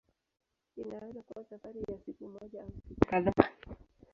Inaweza kuwa safari ya siku moja au siku kadhaa.